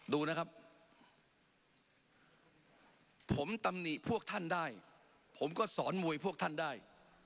ดูนะครับผมตำหนิพวกท่านได้ผมก็สอนมวยพวกท่านได้